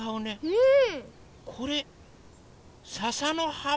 うん！